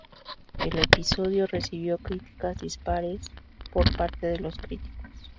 El episodio recibió críticas dispares por parte de los críticos.